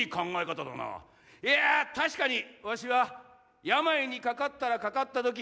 いや確かにわしは病にかかったらかかったとき。